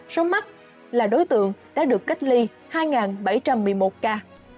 số mắt là đối tượng đã được cách ly hai bảy trăm một mươi một ca